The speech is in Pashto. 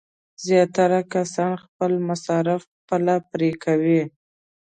زیاتره کسان خپل مصارف خپله پرې کوي.